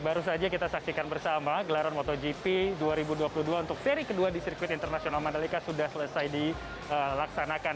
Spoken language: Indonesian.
baru saja kita saksikan bersama gelaran motogp dua ribu dua puluh dua untuk seri kedua di sirkuit internasional mandalika sudah selesai dilaksanakan